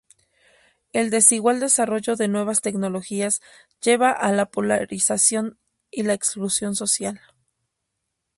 El desigual desarrollo de nuevas tecnologías lleva a la polarización y la exclusión social.